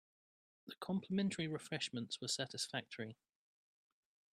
The complimentary refreshments were satisfactory.